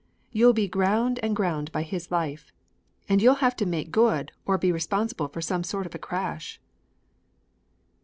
You'll be ground and ground by his life and you'll have to make good or be responsible for some sort of a crash."